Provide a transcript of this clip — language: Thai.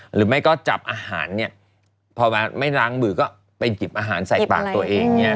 หรือไม่ก็จับอาหารเนี่ยพอไม่ล้างมือก็ไปหยิบอาหารใส่ปากตัวเองเนี่ย